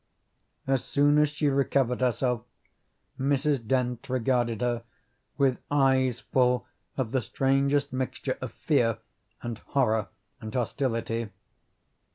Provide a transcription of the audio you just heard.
As soon as she recovered herself Mrs. Dent regarded her with eyes full of the strangest mixture of fear and horror and hostility.